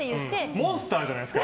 モンスターじゃないですか。